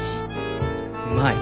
うまい。